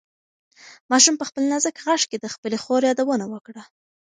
ماشوم په خپل نازک غږ کې د خپلې خور یادونه وکړه.